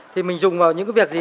thì mình dùng vào những việc gì